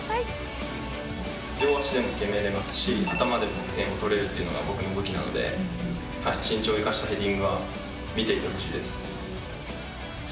両足でも決められますし頭でも点を取れるというのが僕の武器なので身長を生かしたヘディングは見ていてほしいです。